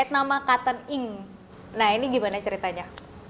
nama katen ing nah ini gimana ceritanya